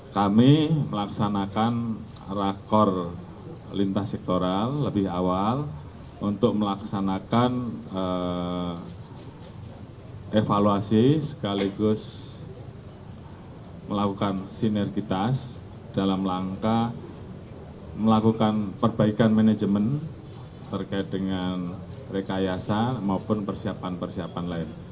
kami melaksanakan rakor lintas sektoral lebih awal untuk melaksanakan evaluasi sekaligus melakukan sinergitas dalam langkah melakukan perbaikan manajemen terkait dengan rekayasa maupun persiapan persiapan lain